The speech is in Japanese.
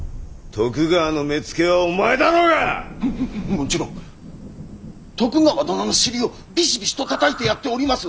もちろん徳川殿の尻をビシビシとたたいてやっております！